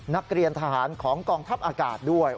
นักเรียนทหารของกองทัพอากาศด้วย